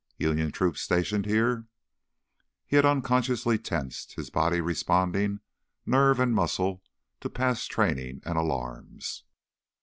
"Union troops stationed here?" He had unconsciously tensed, his body responding nerve and muscle to past training and alarms.